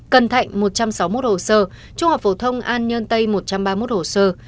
cần thạnh một trăm sáu mươi một hồ sơ trung học phổ thông an nhơn tây một trăm ba mươi một hồ sơ